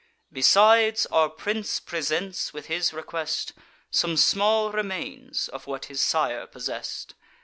Besides, our prince presents, with his request, Some small remains of what his sire possess'd.